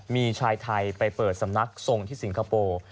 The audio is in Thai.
มีชายไทยไปเปิดสำนักทรงที่สิงคโปร์